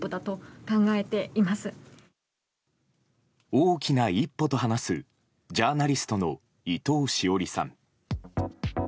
大きな一歩と話すジャーナリストの伊藤詩織さん。